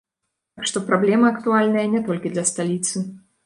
Так што, праблема актуальная не толькі для сталіцы.